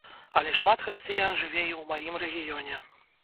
Але шмат хрысціян жыве і ў маім рэгіёне.